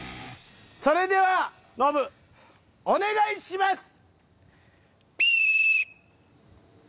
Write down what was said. それではノブお願いします！